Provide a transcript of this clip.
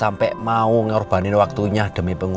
dalam perturban dalam suatu majet